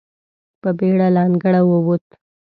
په بېړه له انګړه ووت.